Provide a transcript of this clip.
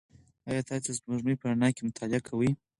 ایا تاسي د سپوږمۍ په رڼا کې مطالعه کوئ؟